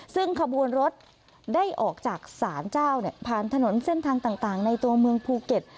ซึ่งขบวนรถได้ออกจากศาลเจ้าผ่านถนนเส้นทางต่างในตัวเมืองภูเก็ต